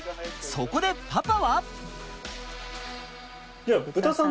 そこでパパは。